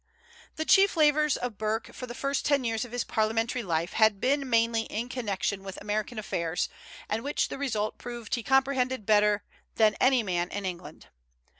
The chief labors of Burke for the first ten years of his parliamentary life had been mainly in connection with American affairs, and which the result proved he comprehended better than any man in England.